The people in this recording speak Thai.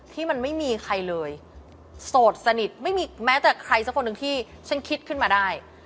ที่มันไม่มีใครเลยโสดสนิทไม่มีแม้แต่ใครสักคนหนึ่งที่ฉันคิดขึ้นมาได้